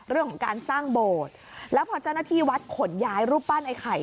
เรื่องของการสร้างโบสถ์แล้วพอเจ้าหน้าที่วัดขนย้ายรูปปั้นไอ้ไข่